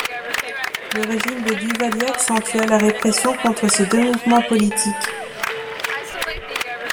Le régime de Duvalier accentua la répression contre ces deux mouvements politiques.